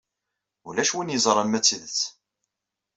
Ulac win yeẓran ma d tidet.